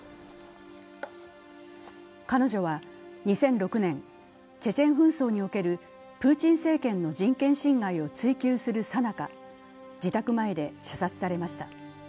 彼女は２００６年、チェチェン紛争におけるプーチン政権の人権侵害を追及するさなか、自宅前で射殺されました。